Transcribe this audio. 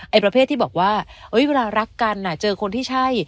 ประเภทที่บอกว่าเวลารักกันเจอคนที่ใช่